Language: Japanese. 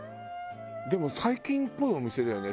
でも最近っぽいお店だよね。